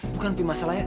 bukan pi masalahnya